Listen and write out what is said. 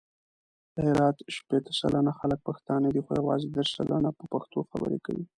د هرات شپېته سلنه خلګ پښتانه دي، خو یوازې دېرش سلنه په پښتو خبري کوي.